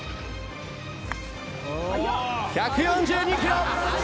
「１４２キロ」